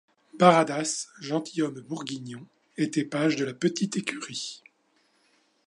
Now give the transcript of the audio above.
Baradas, gentilhomme bourguignon, était page de la Petite Écurie.